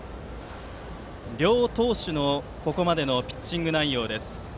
両投手のここまでのピッチング内容です。